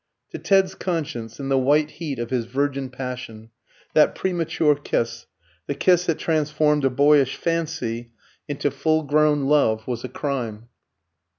To Ted's conscience, in the white heat of his virgin passion, that premature kiss, the kiss that transformed a boyish fancy into full grown love, was a crime.